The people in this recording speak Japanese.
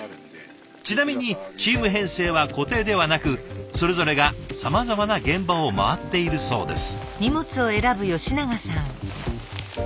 ちなみにチーム編成は固定ではなくそれぞれがさまざまな現場を回っているそうです。